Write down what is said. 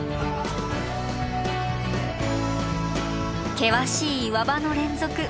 険しい岩場の連続。